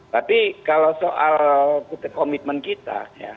tapi kalau soal komitmen kita